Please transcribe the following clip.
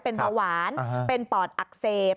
เป็นเบาหวานเป็นปอดอักเสบ